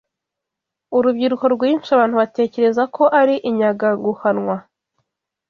Urubyiruko rwinshi abantu batekereza ko ari inyangaguhanwa